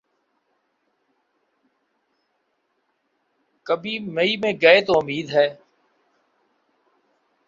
کبھی مئی میں گئے تو امید ہے۔